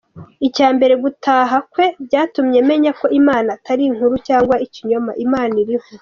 Icya mbere gutaha kwe byatumye menya ko Imana atari inkuru cyangwa ikinyoma, Imana iriho.